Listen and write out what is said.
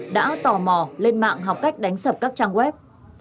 đã tò mò lên mạng học cách đánh sập các trang web